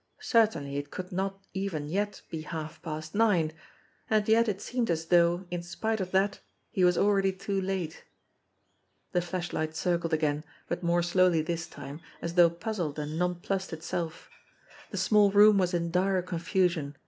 Certainly it could not even yet be half past nine. And yet it seemed as though, in spite of that, he was already too late. The flashlight circled again, but more slowly this time, as though puzzled and nonplussed itself. The small room was in dire confusion.